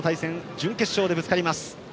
準決勝でぶつかります。